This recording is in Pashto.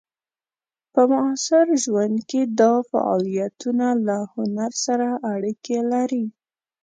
په معاصر ژوند کې دا فعالیتونه له هنر سره اړیکې لري.